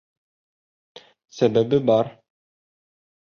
Сәбәбе бар.